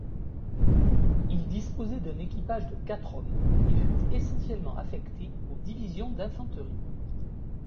Il disposait d’un équipage de quatre hommes et fut essentiellement affecté aux divisions d’infanterie.